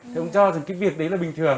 thì ông cho rằng cái việc đấy là bình thường